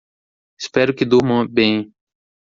Espero que durma bem